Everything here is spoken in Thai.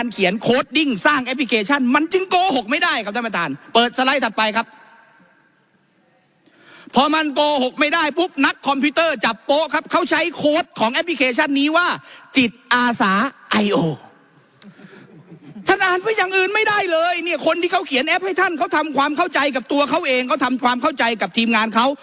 เขียนโค้ดดิ้งสร้างแอปพลิเคชันมันจึงโกหกไม่ได้ครับท่านประตานเปิดสไลด์ถัดไปครับพอมันโกหกไม่ได้ปุ๊บนักคอมพิวเตอร์จับโป๊ะครับเขาใช้โค้ดของแอปพลิเคชันนี้ว่าจิตอาสาไอโอท่านอ่านไว้อย่างอื่นไม่ได้เลยเนี่ยคนที่เขาเขียนแอปให้ท่านเขาทำความเข้าใจกับตัวเขาเองเขาทำความเข้าใจกับทีมง